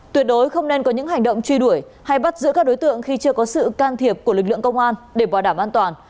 tuyệt đối không nên có những hành động truy đuổi hay bắt giữ các đối tượng khi chưa có sự can thiệp của lực lượng công an để bảo đảm an toàn